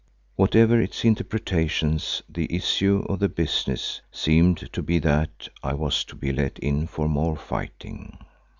Whatever its interpretations, the issue of the business seemed to be that I was to be let in for more fighting.